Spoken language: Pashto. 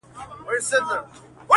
په هر ځای کي چي مي وغواړی حضور یم!.